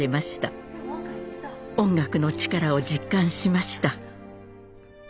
音楽の力を実感しました。